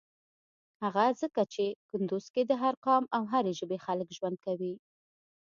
هغه ځکه چی کندوز کی د هر قام او هری ژبی خلک ژوند کویی.